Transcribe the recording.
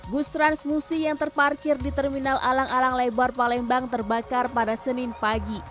bus transmusi yang terparkir di terminal alang alang lebar palembang terbakar pada senin pagi